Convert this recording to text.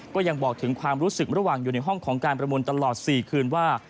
ก็ยังบอกถึงความรู้สึกระหว่างอยู่ในห้องของการประมูลตลอด๔คืนว่า